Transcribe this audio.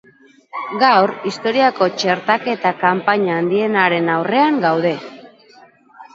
Gaur, historiako txertaketa kanpaina handienaren aurrean gaude.